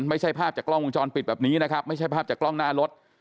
ไม่ใช่ภาพจากกล้องวงจรปิดแบบนี้นะครับไม่ใช่ภาพจากกล้องหน้ารถ